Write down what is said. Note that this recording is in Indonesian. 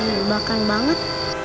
ini bahkan banget